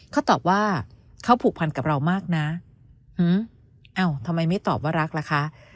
เขาตอบว่าเขาผูกพันกับเรามากนะเอ้าทำไมไม่ตอบว่ารักล่ะคะ